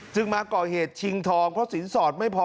มาก่อเหตุชิงทองเพราะสินสอดไม่พอ